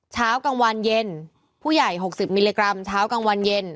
เช้ากลางวันเย็นผู้ใหญ่๖๐มิลลิกรัมเช้ากลางวันเย็น